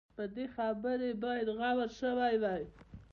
پر دې خبرې باید غور شوی وای.